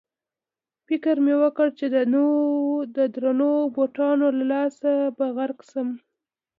فکر مې وکړ چې د درنو بوټانو له لاسه به غرق شم.